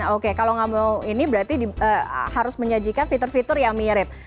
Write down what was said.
oke kalau nggak mau ini berarti harus menyajikan fitur fitur yang mirip